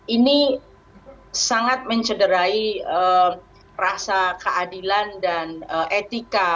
ini sangat mencederai rasa keadilan dan etika